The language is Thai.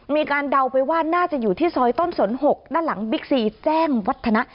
เดาไปว่าน่าจะอยู่ที่ซอยต้นสน๖ด้านหลังบิ๊กซีแจ้งวัฒนะ